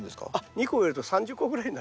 ２個植えると３０個ぐらいになるからです。